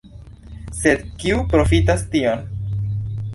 Sed kiu profitas tion?